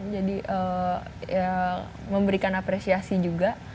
jadi ya memberikan apresiasi juga